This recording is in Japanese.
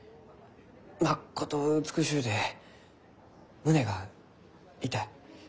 まっこと美しゅうて胸が痛い。